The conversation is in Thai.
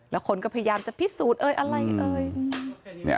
แล้วคนก็พยายามจะพิสูจน์เอ่ยอะไรเอ่ย